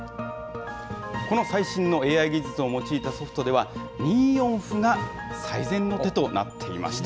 この最新のＡＩ技術を用いたソフトでは、２四歩が最善の手となっていました。